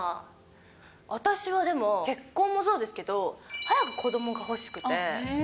私はでも、結婚もそうですけど、早く子どもが欲しくて。